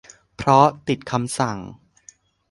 เพราะติดคำสั่ง